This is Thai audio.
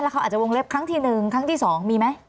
แล้วเขาอาจจะวงเล็บครั้งที่หนึ่งครั้งที่สองมีไหม